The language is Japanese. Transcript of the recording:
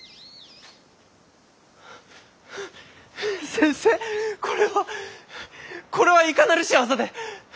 先生これは！これはいかなる仕業で！